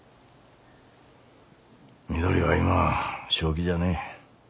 美都里は今正気じゃねえ。